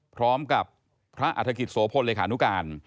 พร้อมกับพระอัฐกิจโสพลเลขานุการ